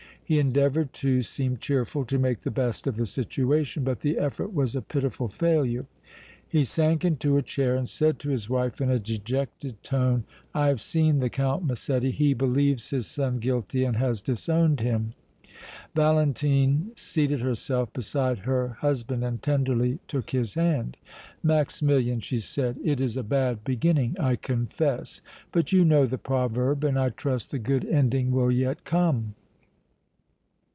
He endeavoured to seem cheerful, to make the best of the situation, but the effort was a pitiful failure. He sank into a chair and said to his wife in a dejected tone: "I have seen the Count Massetti. He believes his son guilty and has disowned him!" Valentine seated herself beside her husband and tenderly took his hand. "Maximilian," she said, "it is a bad beginning, I confess, but you know the proverb and, I trust, the good ending will yet come!"